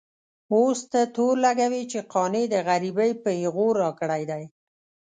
اوس ته تور لګوې چې قانع د غريبۍ پېغور راکړی دی.